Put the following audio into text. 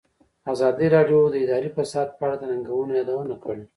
ازادي راډیو د اداري فساد په اړه د ننګونو یادونه کړې.